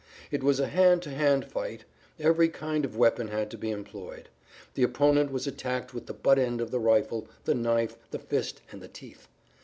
It was a hand to hand fight; every kind of weapon had to be employed; the opponent was attacked with the butt end of the rifle, the knife, the fist, and the teeth.